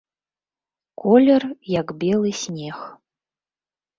Колер, як белы снег.